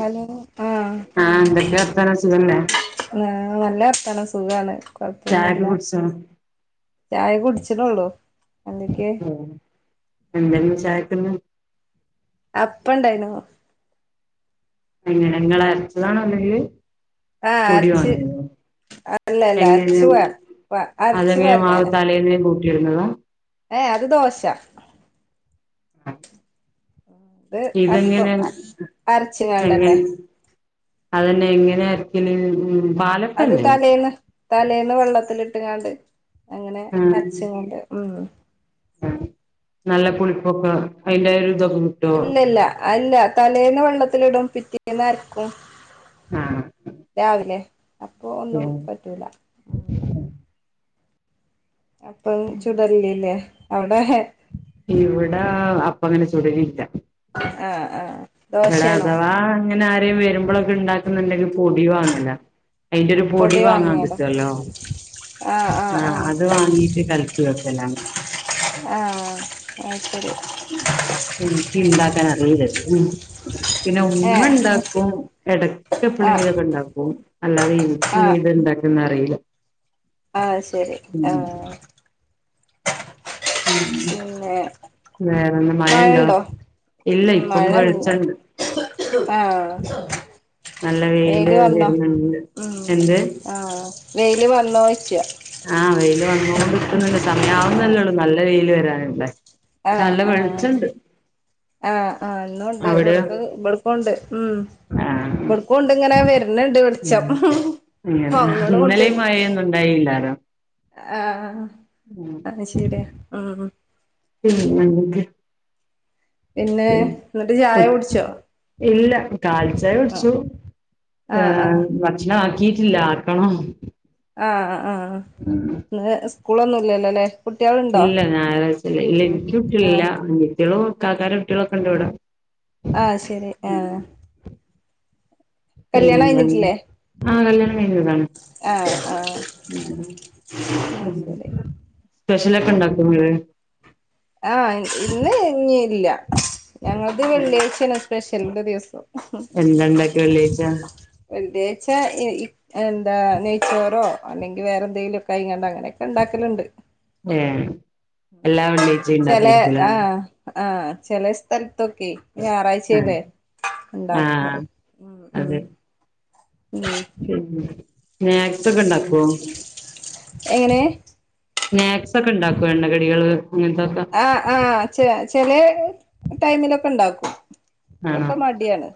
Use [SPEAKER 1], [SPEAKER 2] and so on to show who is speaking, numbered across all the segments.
[SPEAKER 1] Hello ആഹ്
[SPEAKER 2] എന്തൊക്കെയാ വർത്താനം സുഖല്ലേ
[SPEAKER 1] ആഹ് നല്ല വർത്താനം സുഗാണ്
[SPEAKER 2] ചായൊക്കെ
[SPEAKER 1] കൊഴപ്പൊന്നുല്ല
[SPEAKER 2] കുടിച്ചോ
[SPEAKER 1] ചായ കുടിചുനുള്ളു സന്ധ്യയ്ക്ക്
[SPEAKER 2] എന്താർന്ന് ചായക്കിന്ന്
[SPEAKER 1] അപ്പണ്ടായിന്നു
[SPEAKER 2] [unintelligible] അരച്ചതാണോ അല്ലെങ്കിൽ
[SPEAKER 1] ആഹ് അരച്ച് അല്ലല്ല
[SPEAKER 2] എങ്ങനെ
[SPEAKER 1] അരച്ചുപ അരച്ചു പകർനെണ്
[SPEAKER 2] ർന്നതാ [unintelligible]
[SPEAKER 1] ഏ അത് ദോശ ഇത്
[SPEAKER 2] ഇത്‌ ഇതെങ്ങനെ
[SPEAKER 1] അപ്പം
[SPEAKER 2] എങ്ങെ-
[SPEAKER 1] അരച്ച്ങ്ങാണ്ടന്നെ
[SPEAKER 2] അത് തന്നെ എങ്ങനെയാ അരക്കല്
[SPEAKER 1] അത്
[SPEAKER 2] പലപ്പമല്ലിയോ
[SPEAKER 1] തലേന്ന് തലേന്ന് വെള്ളത്തിലിട്ടുങാണ്ട് അങ്ങനെ
[SPEAKER 2] ആഹ്
[SPEAKER 1] അരച്ചങ്ങാണ്ട് ഉം
[SPEAKER 2] നല്ല പുളിപ്പൊക്കെ അതിന്റെ ഒരു -
[SPEAKER 1] ഇല്ലല്ല അല്ല തലേന്ന് വെള്ളത്തിലിടും പിറ്റേന്ന് അരക്കും
[SPEAKER 2] ആഹ്
[SPEAKER 1] രാവിലെ അപ്പൊ ഒന്നും പറ്റൂല അപ്പം ചുടലില്ലേ അവിടെ-
[SPEAKER 2] ഇവിടെ അപ്പ അങ്ങനെ ചുടലില്ല
[SPEAKER 1] ആഹ് ആഹ്
[SPEAKER 2] ഇവിടെ
[SPEAKER 1] ദോശയാണോ
[SPEAKER 2] അഥവാ അങ്ങനെ ആര് - അത്രയും വരുമ്പോഴൊക്കെ ഉണ്ടാക്കുന്നുണ്ടെങ്കിൽ പൊടി വാങ്ങല അയിന്റെ ഒരു പൊടി വാങ്ങാൻ കിട്ടുവല്ലോ ആഹ് അത് വാങ്ങീട്ട് കലക്കി വെക്കലാണ്
[SPEAKER 1] ആഹ് ആഹ് അത് ശരി
[SPEAKER 2] എനിക്ക് ഇണ്ടാക്കാൻ അറിയേയില്ല ഇത്‌ പിന്നെ ഉമ്മ
[SPEAKER 1] ഏഹ്
[SPEAKER 2] ഉണ്ടാക്കും
[SPEAKER 1] ആഹ്
[SPEAKER 2] ഇടക്കെപ്പേളെങ്കിലും ഒക്കെ ഇണ്ടാക്കും അല്ലാതെ
[SPEAKER 1] ആഹ്
[SPEAKER 2] എനിക്കിത് ഇണ്ട - ന്നറീല്ല
[SPEAKER 1] ആഹ് ശരി ആഹ് ആഹ്
[SPEAKER 2] ഉം വേറെന്നാ മഴ ഇണ്ടോ
[SPEAKER 1] മഴണ്ടോ ഉം മഴ [unintelligible] ല്ല ആഹ്
[SPEAKER 2] നല്ല
[SPEAKER 1] വെയില് വന്ന
[SPEAKER 2] വരുന്നുണ്ട്
[SPEAKER 1] ഉം
[SPEAKER 2] എന്ത്
[SPEAKER 1] ആഹ് വെയില് വന്നൊ
[SPEAKER 2] ആഹ് വെയില് വന്നൊണ്ട് നിക്ക്ന്നുണ്ട് സമയമാവുന്നേല്ലേ ഉള്ളു നല്ല വെയില് വരാനല്ലേ [unintelligible]
[SPEAKER 1] ആഹ്
[SPEAKER 2] നല്ല
[SPEAKER 1] ആഹ്
[SPEAKER 2] വെളിച്ചണ്ട്
[SPEAKER 1] ആഹ് ആഹ് ഇന്നൂണ്ട്
[SPEAKER 2] അവിടെയോ
[SPEAKER 1] ഇവിട്ക്ക് ഇവിട്ക്കൂണ്ട് ഉം
[SPEAKER 2] ആഹ്
[SPEAKER 1] ഇവിടക്കുംണ്ട് ഇങ്ങനെ വരണ് ണ്ട് വെളിച്ചം
[SPEAKER 2] ഇങ്ങന
[SPEAKER 1] മങ്ങളുണ്ട്
[SPEAKER 2] ഇന്നലെയീ മഴയൊന്നും ഉണ്ടായില്ലാരോ
[SPEAKER 1] ആഹ് അത് ശരിയാ ഉം
[SPEAKER 2] പിന്നെ എന്തൊക്കെയാ
[SPEAKER 1] പിന്നെ എന്നിട്ട് ചായ കുടിച്ചോ
[SPEAKER 2] [unintelligible] ഇല്ല കാലിചായ
[SPEAKER 1] ആഹ്
[SPEAKER 2] കുടിച്ചു
[SPEAKER 1] ആഹ്
[SPEAKER 2] ഭക്ഷണം ആക്കിട്ടില്ല ആക്കണം
[SPEAKER 1] ആഹ് ആഹ് ഇന്ന് സ്കൂളൊന്നുംല്ലല്ലോല്ലേ കുട്ടികളുണ്ടോ
[SPEAKER 2] ഇല്ല ഞായറാഴ്ചല്ലേ ഇല്ല
[SPEAKER 1] ഉം
[SPEAKER 2] എനിക്ക് കുട്ടികളില്ല
[SPEAKER 1] ആഹ്
[SPEAKER 2] [inaudible] കാക്കാന്റെ കുട്ടികളൊക്കെ ഉണ്ട് ഇവിടെ
[SPEAKER 1] ആഹ് ശരി ആഹ് കല്യാണം
[SPEAKER 2] പിന്നെ
[SPEAKER 1] കഴിഞ്ഞിട്ടില്ലേ
[SPEAKER 2] [unintelligible] ആഹ് കല്യാണം കഴിഞ്ഞത് ആണ്
[SPEAKER 1] അ ആ
[SPEAKER 2] ഉം ഉം
[SPEAKER 1] ശരി ഉം
[SPEAKER 2] സ്പെഷ്യല് ഒക്കെ ഇണ്ടാക്കോ ങ്ങള്
[SPEAKER 1] ആഹ് ഇന്ന് ഇനി ഇല്ല ഞങ്ങളത് വെള്ളിയാഴ്ചാണ് സ്പെഷ്യലിന്റെ ദിവസം
[SPEAKER 2] എന്താ ഇണ്ടാക്കിയെ വെള്ളിയാഴ്ച
[SPEAKER 1] എന്തേ [unintelligible] ഇ എന്താ നെയ്ച്ചോറോ അല്ലെങ്കില് വേറെന്തെങ്കിലും [unintelligible] അങ്ങനെയൊക്കെ ഇണ്ടാക്കലുണ്ട്
[SPEAKER 2] ഏ
[SPEAKER 1] ചെല ആഹ് ആഹ് ചെല സ്ഥല [unintelligible] ഞാറാഴ്ചയല്ലേ
[SPEAKER 2] ആഹ്
[SPEAKER 1] ഉണ്ടാക്കാറ് ഉം മ്ഹ്
[SPEAKER 2] അതെ സ്നാക്സ് ഒക്കെ ഇണ്ടാക്കോ
[SPEAKER 1] എങ്ങനെ
[SPEAKER 2] സ്നാക്സക്കെ ഇണ്ടാക്കൊ എണ്ണ കടികള്
[SPEAKER 1] ആഹ് ആഹ് ചെ ചെലെ ടൈമിലൊക്കെ ഉണ്ടാക്കും
[SPEAKER 2] ആണോ
[SPEAKER 1] ഇവക്ക് മടിയാണ്.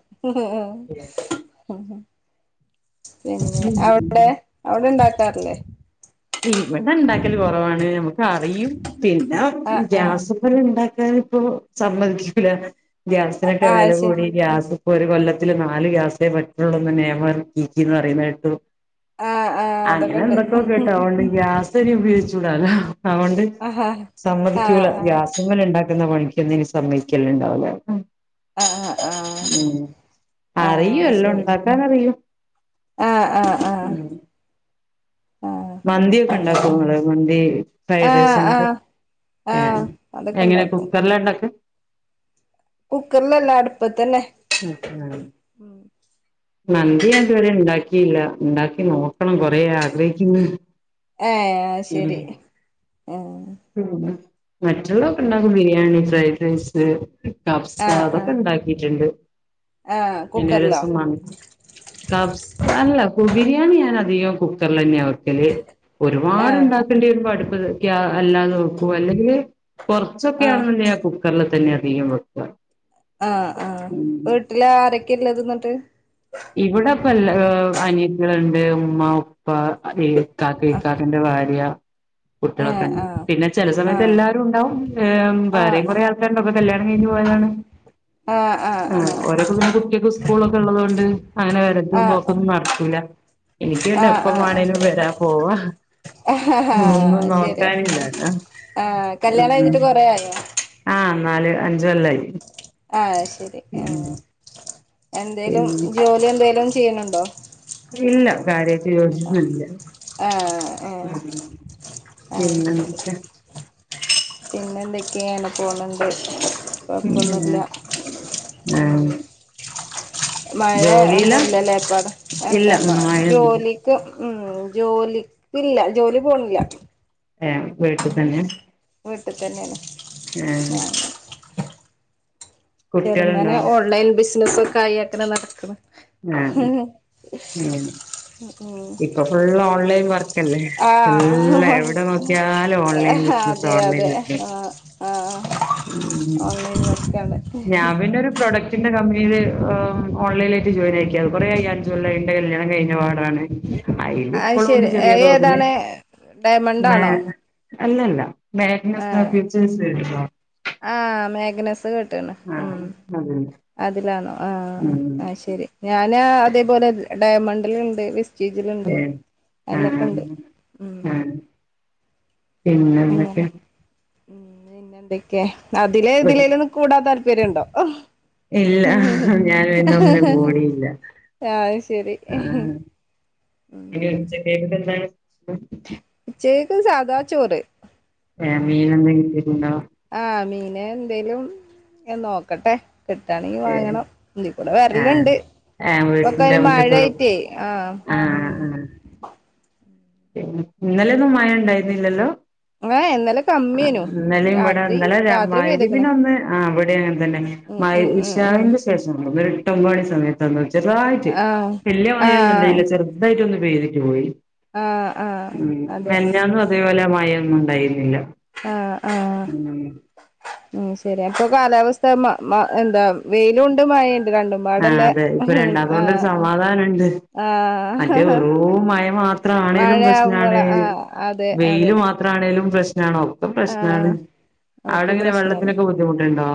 [SPEAKER 1] പിന്നെ അവ്ടെ അവിടെ ഉണ്ടാക്കാറില്ലേ
[SPEAKER 2] ഇവിടെ ഇണ്ടാക്കല് കൊറവാണ് നമുക്ക് അറിയും പിന്നെ
[SPEAKER 1] ആഹ് ആഹ്
[SPEAKER 2] ഗ്യാസ് മേല് ഉണ്ടാ [unintelligible] ഇപ്പോ സമ്മയ്ക്കൂല
[SPEAKER 1] ആ
[SPEAKER 2] ഗ്യാസിനൊക്കെ
[SPEAKER 1] അത്
[SPEAKER 2] വേല
[SPEAKER 1] ശരി
[SPEAKER 2] കൂടി ഗ്യാസ് ഒരു കൊല്ലത്തില് നാല് ഗ്യാസേ പറ്റൊള്ളൂ ന്ള്ള നിയമം ർകീക്ക്ണ് പറിണ്ണേട്ടു
[SPEAKER 1] ആ ആ അതൊക്കെ
[SPEAKER 2] അങ്ങനെ
[SPEAKER 1] ഉണ്ട്
[SPEAKER 2] എന്തൊക്കോ കേട്ട് അതോണ്ട് ഗ്യാസ് രി ഉപയോഗിച്ചൂടാലോ അതൊണ്ട്
[SPEAKER 1] ആ ആ ആ
[SPEAKER 2] സമ്മതികൂലാ ഗ്യാസ്മ്മല് ഇണ്ടാക്കുന്ന പണി ന് സമ്മയ്ക്കല് ഇണ്ടാവൂലല്ലോ
[SPEAKER 1] ആ ആ
[SPEAKER 2] ഉം അറിയോ എല്ലം ഇണ്ടാക്കാനറിയോ
[SPEAKER 1] ആഹ് ആഹ് ആഹ്
[SPEAKER 2] മന്തി ഒക്കെ ഉണ്ടാക്കോ ങ്ങള് മന്തി
[SPEAKER 1] ആ
[SPEAKER 2] ഫ്രൈഡ് റൈസ്
[SPEAKER 1] ആ
[SPEAKER 2] അങ്ങൻത്തെ
[SPEAKER 1] ആ
[SPEAKER 2] ഹേ
[SPEAKER 1] അതൊക്കെ
[SPEAKER 2] എങ്ങനെ കുക്കർലാ ഇണ്ടാക്കാ
[SPEAKER 1] കുക്കർലല്ല അടുപ്പത്തന്നെ
[SPEAKER 2] ഉം ഉം മന്തി ഞാൻ ഇതുവരെ ഇണ്ടാക്കിയില്ല ഇണ്ടാക്കി നോക്കണം കൊറെ ആഗ്രഹിക്ക്ന്ന്
[SPEAKER 1] ഹേ ശരി ആ
[SPEAKER 2] ഉം ഉം മറ്റുള്ള ഒക്കെ ഇണ്ടാക്കും ബിരിയാണി ഫ്രൈഡ് റൈസ് കഫ്സ
[SPEAKER 1] ആ ആ
[SPEAKER 2] അതൊക്കെ ഇണ്ടാക്കിട്ട്ണ്ട്
[SPEAKER 1] ആ കുക്കറിലോ
[SPEAKER 2] [unintelligible] ബിരിയാണി ഞാൻ അധികം കുക്കറിൽ തന്നെയ വെക്കല്.
[SPEAKER 1] ആ
[SPEAKER 2] ഒരുപാട് ഉണ്ടാക്കേണ്ടി വരുമ്പോ അടുപ്പ് ഗ്യാ അല്ലാതെ വെക്കും അല്ലെങ്കില്
[SPEAKER 1] ആ
[SPEAKER 2] കൊറച്ചൊക്കെയാണ് ന്ന്ണ്ടങ്കി ഞാൻ കുക്കർല് തന്നെ അധികം വെക്കാ
[SPEAKER 1] ആഹ് ആഹ് അപ്പൊ വീട്ടില് ആരൊക്കെയാ ഇള്ളത് എന്നിട്ട്
[SPEAKER 2] ഇവിടെപ്പല്ല അനിയതികള്ണ്ട് ഉമ്മ ഉപ്പ ഏ ഇക്കാക്ക
[SPEAKER 1] ആ
[SPEAKER 2] ഇക്കാക്കന്റെ പെ ഭാര്യ
[SPEAKER 1] ആ
[SPEAKER 2] കുട്ടികളെക്കെ ഇണ്ട്
[SPEAKER 1] ആ
[SPEAKER 2] പിന്നെ ചെല
[SPEAKER 1] ആ
[SPEAKER 2] സമയ എല്ലാരും ഉണ്ടാവും
[SPEAKER 1] ആ
[SPEAKER 2] വേറെയും കുറെ ആൾക്കാരുണ്ടാവും അപ്പ കല്യാണം കഴിഞ്ഞ് പോയതാണ് ആ ഓരോക്കെ പിന്നെ [unintelligible] സ്കൂളൊക്കെ ഉള്ളത് കൊണ്ട് അങ്ങനെ വരലും
[SPEAKER 1] ആഹ്
[SPEAKER 2] പോക്കൊന്നും നടക്കൂല്ല എനിക്ക് പിന്നെ
[SPEAKER 1] ആഹ്
[SPEAKER 2] എപ്പ വാണേലും
[SPEAKER 1] ആഹ്
[SPEAKER 2] വരാം പോവ്വാ. ഒന്നും
[SPEAKER 1] ആഹ് ശരിയാ
[SPEAKER 2] നോക്കാനില്ലല്ലോ
[SPEAKER 1] ആഹ് കല്യാണം
[SPEAKER 2] ഉം
[SPEAKER 1] കഴിഞ്ഞിട്ട് കൊറേ ആയോ
[SPEAKER 2] ആ നാല് അൻജ് കൊല്ലായി
[SPEAKER 1] ആഹ് ശരി ഉം എന്തേലും
[SPEAKER 2] പിന്നെ
[SPEAKER 1] ജോലി എന്തെലും ചെയ്യ്ണ് ണ്ടോ?
[SPEAKER 2] ഇല്ല കാര്യായിട്ട്
[SPEAKER 1] ആഹ് ആഹ്
[SPEAKER 2] [unintelligible]
[SPEAKER 1] ആഹ്
[SPEAKER 2] പിന്നെ
[SPEAKER 1] ശരി
[SPEAKER 2] ന്തൊക്കെ
[SPEAKER 1] പിന്നെ എന്തൊക്കെയാണ് പോണ് ണ്ട് കുഴപ്പമൊന്നുല്ല
[SPEAKER 2] ആഹ്
[SPEAKER 1] മഴയ
[SPEAKER 2] ജോലിയിലാ
[SPEAKER 1] ഒന്നുല്ലല്ലേപ്പടെ
[SPEAKER 2] ഇല്ല
[SPEAKER 1] അല്ല
[SPEAKER 2] ഒന്നും ആയൊന്നുല്ല
[SPEAKER 1] ജോലിക്ക് ഉം ജോലി ഇല്ല, ജോലി പോണില്ല.
[SPEAKER 2] ഏഹ വീട്ടിതന്നെ?
[SPEAKER 1] വീട്ട്തന്നേണ്. ഞാൻ
[SPEAKER 2] കുട്ടികളുണ്ടോ
[SPEAKER 1] ചെറുന്നനെ ഓൺലൈൽ ബിസിനസൊക്കായി അക്കനെ നടക്ക്ണ്.
[SPEAKER 2] ആഹ ഉം.
[SPEAKER 1] ഉം
[SPEAKER 2] ഇപ്പൊ ഫുള്ളോൺലൈൻ വർക്കല്ലേ. എല്ല എവ്ടെ നോക്കിയാലു ഓൺലൈൻ
[SPEAKER 1] ആഹ
[SPEAKER 2] ബിസിനസ്
[SPEAKER 1] അതെ
[SPEAKER 2] ഓൺലൈൻ
[SPEAKER 1] അതെ
[SPEAKER 2] ബിസിനസ്
[SPEAKER 1] ആ ആ
[SPEAKER 2] ഉം
[SPEAKER 1] ഓൺലൈൻ വർക്കാണ്.
[SPEAKER 2] ഞാൻ പിന്നൊരു പ്രൊഡക്ടിന്റെ കമ്പനീൽ അ് ഓൺലൈൻ ട്ട് ജോലിയ്ക്കാവും കുറെ യാൻ ജ്വല്ലയ്ൻ്റെല്യാണ കഴിഞ്ഞ പാടാണ്.
[SPEAKER 1] അത്
[SPEAKER 2] അയ്ലിപ്പളു ഉണ്ട്
[SPEAKER 1] ശരി
[SPEAKER 2] ചെറിയ തോതില്.
[SPEAKER 1] ഏതാണ്
[SPEAKER 2] മേ
[SPEAKER 1] ഡയമണ്ടാണോ
[SPEAKER 2] അല്ലല്ല. മേഗ്നസ്ന്ന ഫ്യൂച്ചഴസ് കേട്ടുണോ?
[SPEAKER 1] ആഹ മേഗ്നസ് കേട്ട്ണ്. ഉ
[SPEAKER 2] ആഹ് അതന്നെ
[SPEAKER 1] അതിലാണോ ആഹ
[SPEAKER 2] ഉം
[SPEAKER 1] ആ ശരി, ഞനാതേപോലെ ഡയമണ്ടിലുണ്ട്. വിസ് റ്റീജിലുണ്ട്
[SPEAKER 2] ഏഹ് ആഹ്
[SPEAKER 1] അയ്ലൊക്ക്ണ്ട് ഉം.
[SPEAKER 2] പിന്നെന്നൊക്കെ?
[SPEAKER 1] അങ്ങനെ ഉം പിന്നെ എന്തൊക്കെ അതില് എതിലേലൊന്നു കൂടാ താല്പര്യുണ്ടോ? അഹ്
[SPEAKER 2] ഇല്ല ഞൻ പ്ന്നൊന്നിനും കൂടിയില്ല.
[SPEAKER 1] ആഹ് ശരി.
[SPEAKER 2] ആഹ് പിന്നെ ഉച്ചക്കേത്ത്ക്കെന്താണ്?
[SPEAKER 1] ഉച്ചേക്ക് സാധാ ചോറ്.
[SPEAKER 2] ഏ മീനൊന്നു കിട്ടീണ്ടോ?
[SPEAKER 1] എ എന്തേലും എ നോക്കട്ടെ, കിട്ടാണെങ്കി
[SPEAKER 2] ഏഹ്
[SPEAKER 1] വാങ്ങണം. ലി ഇവിടെ
[SPEAKER 2] ആഹ്
[SPEAKER 1] വെരല്ണ്ട്
[SPEAKER 2] ആഹ് വീട്ടിന്റെ
[SPEAKER 1] പൊക്കയിന്
[SPEAKER 2] മുറ്റത്തോട്
[SPEAKER 1] മഴയിറ്റ്. ആഹ് ഉം
[SPEAKER 2] ന്നെ ഇന്നലൊന്നും മയ ഉണ്ടായിരുന്നില്ലല്ലോ?
[SPEAKER 1] ഏഹ് ഇന്നലെ
[SPEAKER 2] ആ
[SPEAKER 1] കമ്മിയേനു
[SPEAKER 2] ഇന്നലിംവ്ടെ
[SPEAKER 1] രാത്രി
[SPEAKER 2] ഇന്നലെ ര
[SPEAKER 1] രാത്രി പെയ്ത്ക്ക്ണ്
[SPEAKER 2] മയ്രിബിനൊന്ന് ആ ഇവിടി അങ്ങൻ തന്നേണ്.
[SPEAKER 1] ഉം
[SPEAKER 2] മയ്
[SPEAKER 1] ഉം ഉം ഉം
[SPEAKER 2] ഇഷാഇന്റെ ശേഷം എയ് ട്ടൊമ്പണി സമയത്തൊന്ന് ചെറുതായിട്ട്,
[SPEAKER 1] ആഹ്
[SPEAKER 2] വല്ല്യ മഴ ഒന്നു
[SPEAKER 1] ആഹ്
[SPEAKER 2] ണ്ടായില്ല, ചെറുതായിട്ടൊന്ന് പെയ്തിട്ട് പോയി.
[SPEAKER 1] ആഹ് ആഹ്
[SPEAKER 2] ഉം
[SPEAKER 1] അതെ
[SPEAKER 2] മെൻഞ്ഞാന്നും അതേപോലെ മഴയൊന്നുണ്ടായിരുന്നില്ല. ഉം
[SPEAKER 1] ഉ ശരി അപ്പൊ കാലാവസ്ഥ മ മ എന്താ വെയിലുണ്ട് മഴയി
[SPEAKER 2] ആഹ അതെ ഇപ്പൊരണ് അതോണ്ടൊരു സമാധാനണ്ട്. മറ്റേ
[SPEAKER 1] ആഹ്
[SPEAKER 2] വെറൂം മഴ മാത്ര ആണേലും
[SPEAKER 1] മഴയാവുമ്പോൾ
[SPEAKER 2] പ്രശ്നാണ്,
[SPEAKER 1] ആ അതെ അതെ
[SPEAKER 2] വെയില് മാത്ര ആ ആണേലും പ്രശ്നാണ് ഒക്കെ പ്രശ്നാണ്. അവിടെ
[SPEAKER 1] ഓക്കെ
[SPEAKER 2] എങ്ങനെ
[SPEAKER 1] പ്രശ്നാണ്.
[SPEAKER 2] വെള്ളത്തിനൊക്കെ ബുദ്ധിമുട്ടുണ്ടോ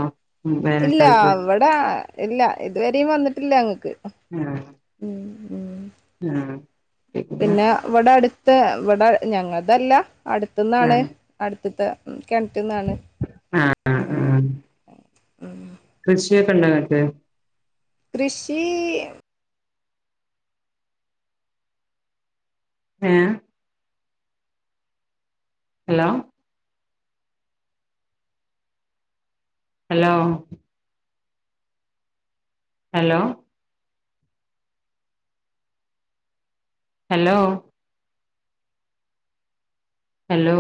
[SPEAKER 1] ഇല്ലാ
[SPEAKER 2] വേനൽക്കാലത്ത്
[SPEAKER 1] അവിടെ ഇല്ല ഇത്വരെ വിടിം വന്നിട്ടില്ലങ്ങക്ക്.
[SPEAKER 2] ഏഹ്
[SPEAKER 1] ഉം
[SPEAKER 2] ആഹ
[SPEAKER 1] പിന്നെ ഇവിടടുത്ത് ഇവിടെ ഞങ്ങൾതല്ല, അടുത്ത്ന്നാണ്
[SPEAKER 2] ആഹ്
[SPEAKER 1] അടുത്ത്ത്തെ കെൻറ്റ്ന്നാണ്.
[SPEAKER 2] ആഹ്
[SPEAKER 1] ഉം
[SPEAKER 2] കൃഷിയൊക്കെണ്ടങ്ങക്ക്?
[SPEAKER 1] കൃഷീ
[SPEAKER 2] ഏഹ് hello hello hello hello hello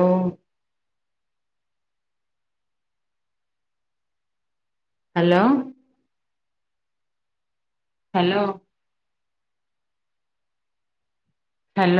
[SPEAKER 2] hello hello hello